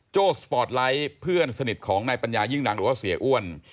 สปอร์ตไลท์เพื่อนสนิทของนายปัญญายิ่งดังหรือว่าเสียอ้วน